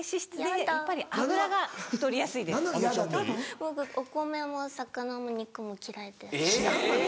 僕お米も魚も肉も嫌いです。